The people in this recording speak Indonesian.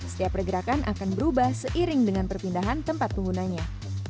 setiap pergerakan akan berubah seiring dengan perpindahan tempat penggunanya